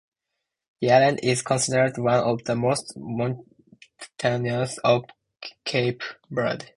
The island is considered one of the most mountainous of Cape Verde.